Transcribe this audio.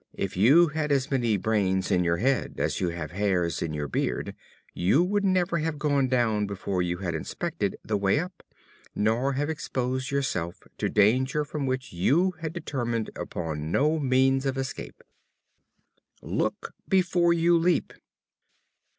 If you had as many brains in your head as you have hairs in your beard, you would never have gone down before you had inspected the way up, nor have exposed yourself to dangers from which you had determined upon no means of escape." Look before you leap.